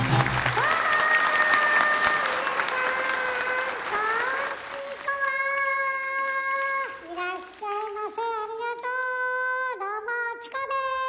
どうもチコです。